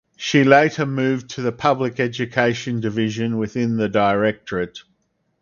She later moved to the public education division within the Directorate.